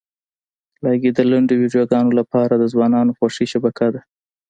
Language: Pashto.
لایکي د لنډو ویډیوګانو لپاره د ځوانانو خوښې شبکه ده.